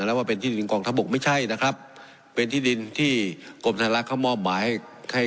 แล้วว่าเป็นที่ดินกองทัพบกไม่ใช่นะครับเป็นที่ดินที่กรมธนลักษณ์เขามอบหมายให้ให้